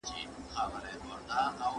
وه ګران بابکه ته خو بیا په هنر نه راځې